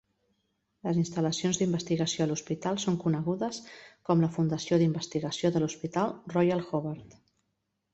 Les instal·lacions d'investigació a l'hospital són conegudes com la Fundació d'Investigació de l'Hospital Royal Hobart.